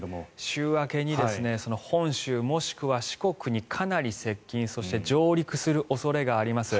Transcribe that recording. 週明けに本州もしくは四国にかなり接近そして上陸する恐れがあります。